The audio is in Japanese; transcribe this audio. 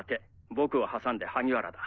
僕を挟んで萩原だ。